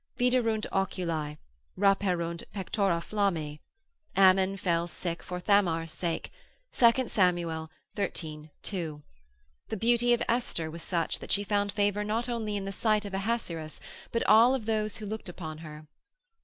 Viderunt oculi, rapuerunt pectora flammae; Ammon fell sick for Thamar's sake, 2 Sam. xiii. 2. The beauty of Esther was such, that she found favour not only in the sight of Ahasuerus, but of all those that looked upon her.